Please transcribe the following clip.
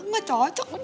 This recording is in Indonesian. nggak cocok kan